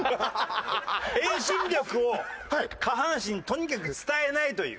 遠心力を下半身にとにかく伝えないという。